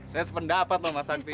saya sependapat loh mas sangti